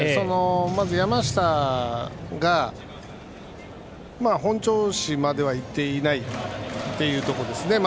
まず山下が本調子まではいっていないというところですね。